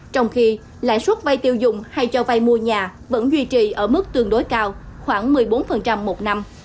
trong khi lãi suất vay tiêu dùng hay cho vay mua nhà vẫn duy trì ở mức tương đối cao khoảng một mươi bốn một năm